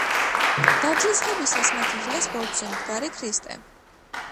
ნათლისღებისას მათ იხილეს ბორცვზე მდგარი ქრისტე.